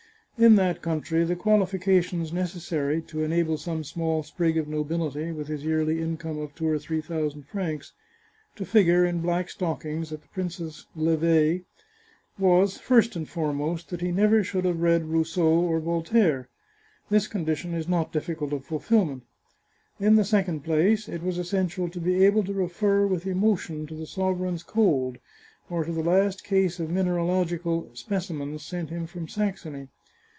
In that country, the qualifications necessary to enable some small sprig of nobility, with his yearly in come of two or three thousand francs, to figure in black stockings at the prince's levers was, first and foremost, that he never should have read Rousseau or Voltaire ; this condi tion is not difficult of fulfilment. In the second place, it was essential to be able to refer with emotion to the sovereign's cold, or to the last case of mineralogical specimens sent him from Saxony.